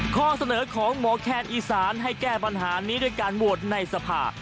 ข้อเสนอของหมอแคนอีสานให้แก้ปัญหานี้ด้วยการโหวตในสภา